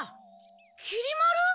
きり丸？